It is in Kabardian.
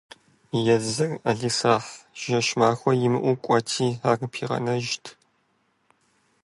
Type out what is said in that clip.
Езы ӏэлисахь, жэщ-махуэ имыӏэу, кӏуэрти ар пигъэнэжырт.